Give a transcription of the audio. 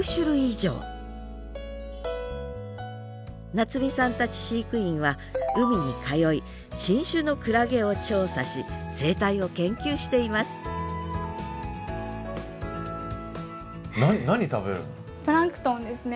七海さんたち飼育員は海に通い新種のクラゲを調査し生態を研究していますプランクトンですね。